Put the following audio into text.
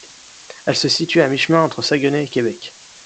Elle se situe à mi-chemin entre Saguenay et Québec.